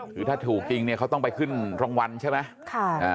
คือถ้าถูกจริงเนี่ยเขาต้องไปขึ้นรางวัลใช่ไหม